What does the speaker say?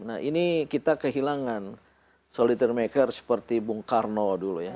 nah ini kita kehilangan solidarmaker seperti bung karno dulu ya